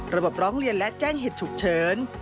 ร้องเรียนและแจ้งเหตุฉุกเฉิน